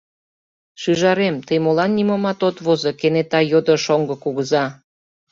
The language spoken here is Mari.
— Шӱжарем, тый молан нимомат от возо? — кенета йодо шоҥго кугыза.